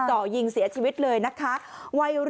จ่อยิงเสียชีวิตเลยนะคะ